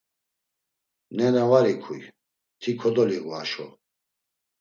Nena var ikuy, ti kodoliğu haşo.